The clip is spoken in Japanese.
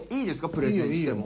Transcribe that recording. プレゼンしても。